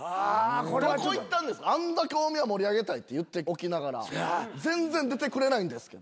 どこ行ったんですかあんだけ大宮盛り上げたいって言っておきながら全然出てくれないんですけど。